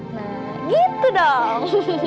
nah gitu dong